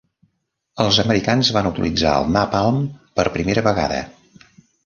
Els americans van utilitzar el napalm per primera vegada.